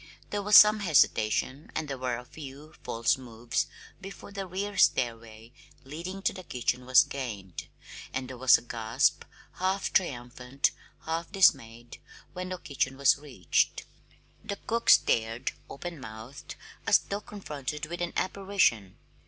There was some hesitation and there were a few false moves before the rear stairway leading to the kitchen was gained; and there was a gasp, half triumphant, half dismayed, when the kitchen was reached. The cook stared, open mouthed, as though confronted with an apparition.